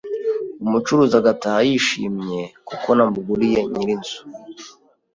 umucuruzi agataha yishimye kuko namuguriye, nyir’inzu